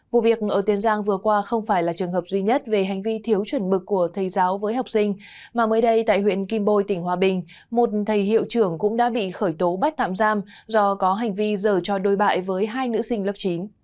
vụ việc ở tiền giang vừa qua không phải là trường hợp duy nhất về hành vi thiếu chuẩn mực của thầy giáo với học sinh mà mới đây tại huyện kim bôi tỉnh hòa bình một thầy hiệu trưởng cũng đã bị khởi tố bắt tạm giam do có hành vi giờ cho đôi bại với hai nữ sinh lớp chín